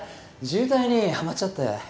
渋滞にはまっちゃって。